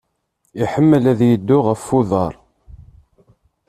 Iḥemmel ad yeddu ɣef uḍaṛ.